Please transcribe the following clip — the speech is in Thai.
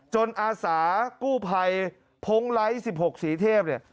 อาสากู้ภัยพงไลท์๑๖สีเทพเนี่ย